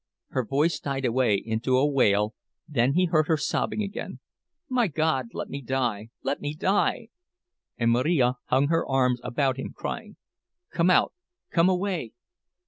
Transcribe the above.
Her voice died away into a wail—then he heard her sobbing again, "My God—let me die, let me die!" And Marija hung her arms about him, crying: "Come out! Come away!"